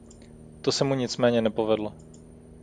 To se mu nicméně nepovedlo.